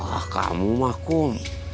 ah kamu mah kung